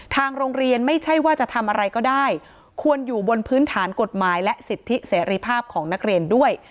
ทางโรงเรียนไม่ใช่ว่าจะทำอะไรก็ได้ควรอยู่บนพื้นฐานกฎหมายและสิทธิเสรีภาพของนักเรียนด้วย